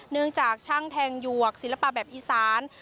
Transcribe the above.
เนื่องจากช่างแทงหยวกศิลปะแบบอีสาน